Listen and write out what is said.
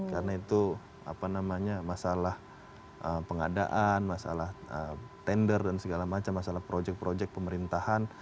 karena itu apa namanya masalah pengadaan masalah tender dan segala macam masalah projek projek pemerintahan